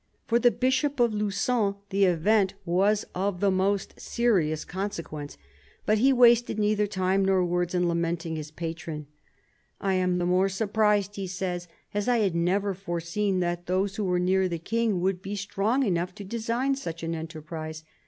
For the Bishop of Lugon the event was of the most serious consequence, but he wasted neither time nor words in lamenting his patron. " I was the more surprised," he says, " as I had never foreseen that those who were near the King would be strong enough to design such an enterprise.